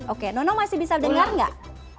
oke nono masih bisa dengar nggak